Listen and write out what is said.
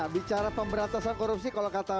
bicara pemberantasan korupsi kalau kata